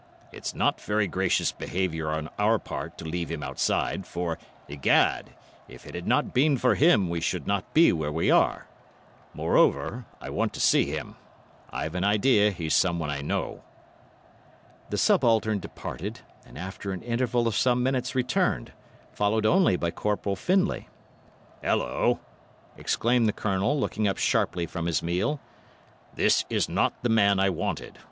It's not very gracious behaviour on our part to leave him outside, for, egad, if it had not been for him we should not be where we are. Moreover, I want to see him—I've an idea he's someone I know." The subaltern departed, and after an interval of some minutes returned, followed only by Corporal Findlay. "Hulloa!" exclaimed the Colonel, looking up sharply from his meal. "This is not the man I wanted.